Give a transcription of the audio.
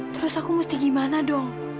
terus aku mesti gimana dong